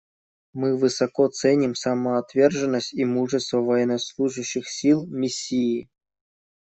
Мы высоко ценим самоотверженность и мужество военнослужащих сил Миссии.